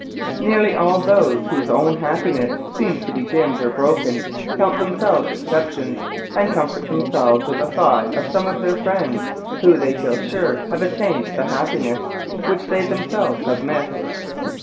Nearly all those whose own happiness seems to be dimmed or broken count themselves exceptions, and comfort themselves with the thought of some of their friends, who, they feel sure, have attained the happi ness which they themselves have missed.